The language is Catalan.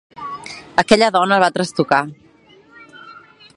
Aquella dona el va trastocar.